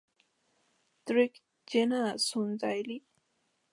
Trick, llegan a Sunnydale.